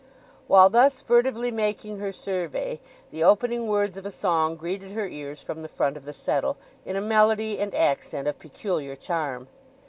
While thus furtively making her survey the opening words of a song greeted her ears from the front of the settle, in a melody and accent of peculiar charm.